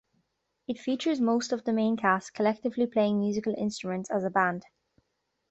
It features most of the main cast collectively playing musical instruments as a band.